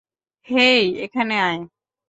হেই এখানে আয়।